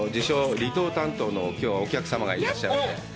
離島担当のきょう、お客様がいらっしゃいます。